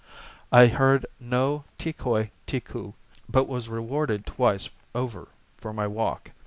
I heard no tee koi, tee koo, but was rewarded twice over for my walk.